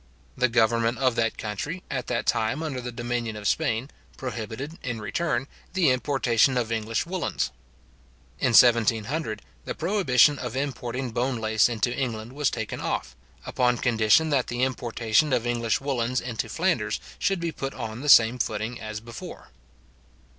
The government of that country, at that time under the dominion of Spain, prohibited, in return, the importation of English woollens. In 1700, the prohibition of importing bone lace into England was taken oft; upon condition that the importation of English woollens into Flanders should be put on the same footing as before.